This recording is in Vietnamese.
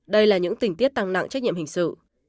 đây là những tình tiết tăng nặng trách nhiệm hình sự